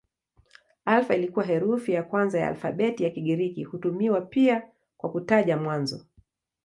Alfa ikiwa herufi ya kwanza ya alfabeti ya Kigiriki hutumiwa pia kwa kutaja mwanzo.